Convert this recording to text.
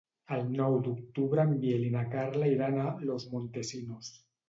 El nou d'octubre en Biel i na Carla iran a Los Montesinos.